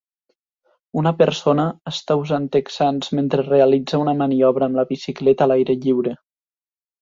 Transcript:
Una persona està usant texans mentre realitza una maniobra amb la bicicleta a l'aire lliure.